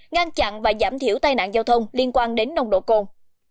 ngăn chặn và giảm thiểu tai nạn giao thông liên quan đến nồng độ cồn